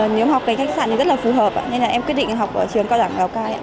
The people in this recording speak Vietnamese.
nếu học ở khách sạn thì rất phù hợp nên em quyết định học ở trường cao đẳng lào cai